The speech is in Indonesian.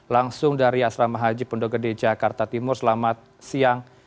langsung dari asrama haji pondok gede jakarta timur selamat siang